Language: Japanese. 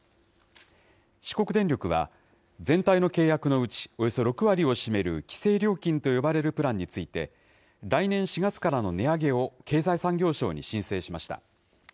四国電力は、全体の契約のうちおよそ６割を占める規制料金と呼ばれるプランについて、来年４月からの値上げを、経済産業省に申請しました。